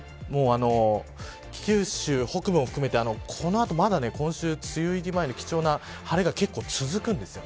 九州北部を含めてこの後、まだ今週、梅雨入り前に貴重な晴れが結構続くんです。